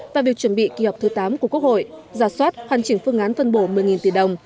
và việc chuẩn bị kỳ họp thứ tám của quốc hội giả soát hoàn chỉnh phương án phân bổ một mươi tỷ đồng